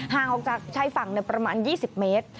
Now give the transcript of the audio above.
ห่างออกจากชายฝั่งประมาณ๒๐เมตร